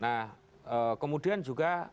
nah kemudian juga